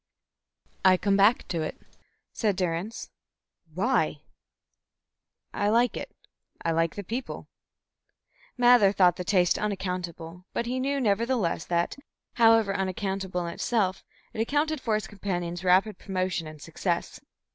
"I come back to it," said Durrance. "Why?" "I like it. I like the people." Mather thought the taste unaccountable, but he knew nevertheless that, however unaccountable in itself, it accounted for his companion's rapid promotion and success.